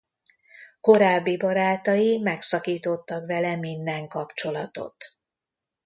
Korábbi barátai megszakítottak vele minden kapcsolatot.